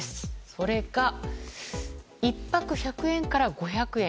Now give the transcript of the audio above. それが１泊１００円から５００円。